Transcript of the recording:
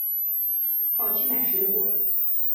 跑去买水果